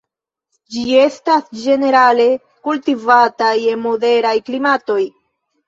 Ĝi estas ĝenerale kultivata je moderaj klimatoj.